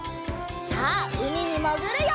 さあうみにもぐるよ！